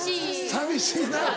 寂しいな。